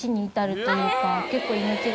結構。